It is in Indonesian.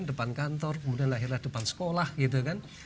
depan kantor kemudian lahirlah depan sekolah gitu kan